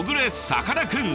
さかなクン！